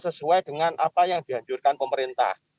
sesuai dengan apa yang dianjurkan pemerintah